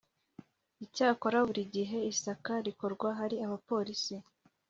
Icyakora buri gihe isaka rikorwa hari aba polisi